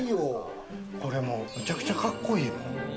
これもめちゃくちゃカッコいいもん。